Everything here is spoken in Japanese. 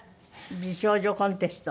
美少女コンテスト。